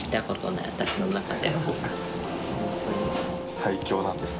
最強なんですね。